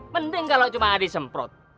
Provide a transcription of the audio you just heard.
mending kalau cuma disemprot